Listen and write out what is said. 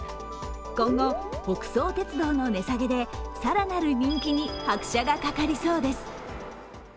今後、北総鉄道の値下げで更なる人気に拍車がかかりそうです。